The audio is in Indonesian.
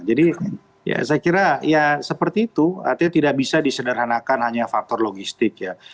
jadi ya saya kira ya seperti itu artinya tidak bisa disederhanakan hanya faktor logistik ya